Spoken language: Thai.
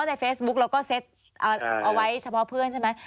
ในเฟซบุ๊กเราก็เซ็ตเอาไว้เฉพาะเพื่อนใช่ไหม